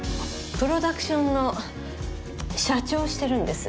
プロダクションの社長をしてるんです。